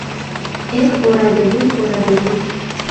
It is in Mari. — Эх, ораде вуй, ораде вуй!